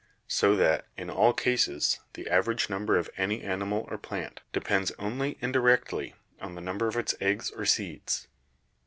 So that, in all cases, the average number of any animal or plant depends only indirectly on the number of its eggs or seeds.